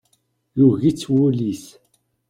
Yugi-tt wul-is.